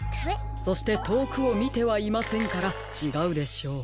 そしてとおくをみてはいませんからちがうでしょう。